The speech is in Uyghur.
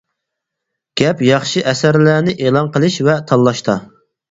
گەپ ياخشى ئەسەرلەرنى ئېلان قىلىش ۋە تاللاشتا.